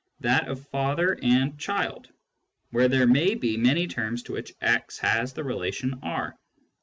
that of father and child) where there may be many terms to which x has the relation R.